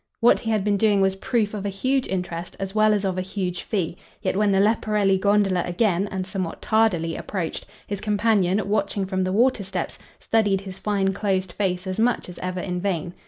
What he had been doing was proof of a huge interest as well as of a huge fee; yet when the Leporelli gondola again, and somewhat tardily, approached, his companion, watching from the water steps, studied his fine closed face as much as ever in vain.